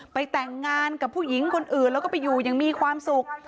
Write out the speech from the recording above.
แต่งงานกับผู้หญิงคนอื่นแล้วก็ไปอยู่อย่างมีความสุข